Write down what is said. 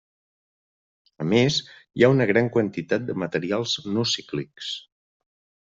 A més, hi ha una gran quantitat de materials no cíclics.